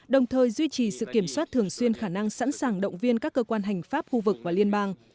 đồng thời duy trì sự kiểm soát thường xuyên khả năng sẵn sàng động viên các cơ quan hành pháp khu vực và liên bang